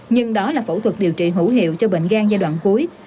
nhưng đó là phẫu thuật điều trị hữu hiệu cho bệnh gan giai đoạn cuối